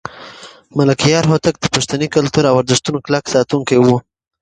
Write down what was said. ملکیار هوتک د پښتني کلتور او ارزښتونو کلک ساتونکی و.